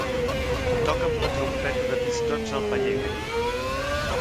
Toca'm la trompeta de pistons al paller, carinyo.